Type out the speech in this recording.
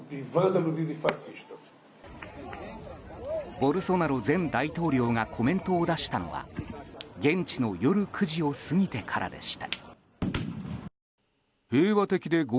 ボルソナロ前大統領がコメントを出したのは現地の夜９時を過ぎてからでした。